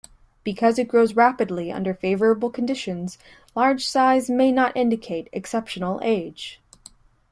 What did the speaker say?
Because it grows rapidly under favorable conditions, large size may not indicate exceptional age.